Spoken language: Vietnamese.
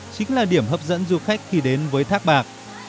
chính là điểm hấp dẫn du khách khi đến với thác bạc